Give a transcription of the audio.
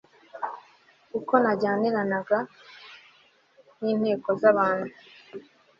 uko najyaniranaga n'inteko z'abantu